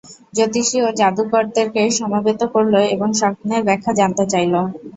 জ্যোতিষী ও জাদুকরদেরকে সমবেত করল এবং স্বপ্নের ব্যাখ্যা জানতে চাইল।